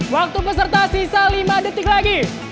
waktu peserta sisa lima detik lagi